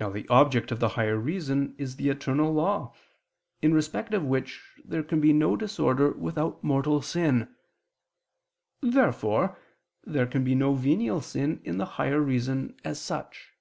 Now the object of the higher reason is the eternal law, in respect of which there can be no disorder without mortal sin. Therefore there can be no venial sin in the higher reason as such.